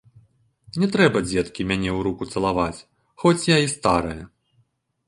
Не трэба, дзеткі, мяне ў руку цалаваць, хоць я і старая.